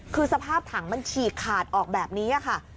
คือสภาพถังมันฉีกขาดออกแบบนี้ค่ะ